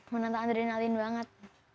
menantang adrenalin banget